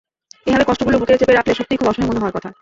এভাবে কষ্টগুলো বুকে চেপে রাখলে সত্যিই খুব অসহায় মনে হওয়ার কথা।